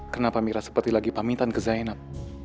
kenapa mira seperti lagi pamitan ke zainab